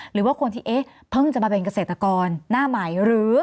หรือว่าคนที่เอ๊ะเพิ่งจะมาเป็นเกษตรกรหน้าใหม่หรือ